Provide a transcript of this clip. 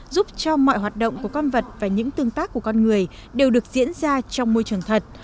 giúp cho mọi hoạt động của con vật và những tương tác của con người đều được diễn ra trong môi trường thật